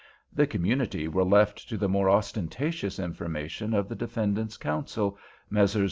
The community were left to the more ostentatious information of the defendant's counsel, Messrs.